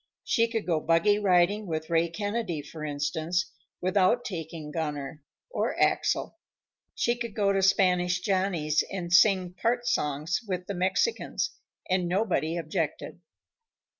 She could go buggy riding with Ray Kennedy, for instance, without taking Gunner or Axel. She could go to Spanish Johnny's and sing part songs with the Mexicans, and nobody objected.